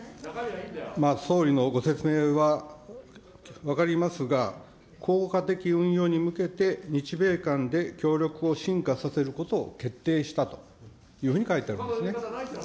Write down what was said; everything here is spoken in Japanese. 総理のご説明は分かりますが、効果的運用に向けて日米間で協力をしんかさせることを決定したというふうに書いてあるんですね。